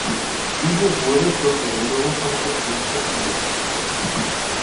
Diese wurde zur Verhinderung von Kopien verwendet.